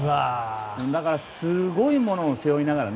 だから、すごいものを背負いながら。